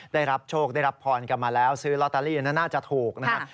ได้รับโชคได้รับพรกันมาแล้วซื้อลอตเตอรี่น่าจะถูกนะครับ